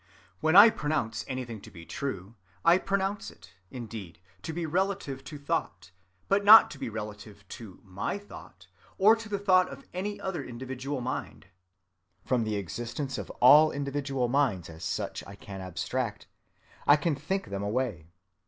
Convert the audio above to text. When I pronounce anything to be true, I pronounce it, indeed, to be relative to thought, but not to be relative to my thought, or to the thought of any other individual mind. From the existence of all individual minds as such I can abstract; I can think them away.